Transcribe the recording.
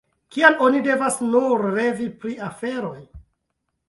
Kial oni devas nur revi pri aferoj?